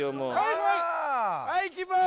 はい行きます。